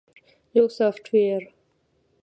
- یو سافټویر 📦